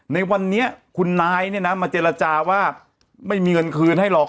ในวันนี้คุณนายเนี่ยนะมาเจรจาว่าไม่มีเงินคืนให้หรอก